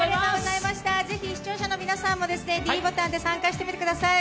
ぜひ視聴者の皆さんもｄボタンで参加してみてください。